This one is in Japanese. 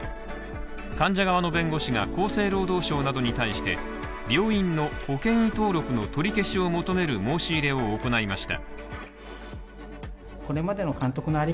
患者側の弁護士が厚生労働省などに対して病院の保険医登録の取り消しを求める申し入れを行いました。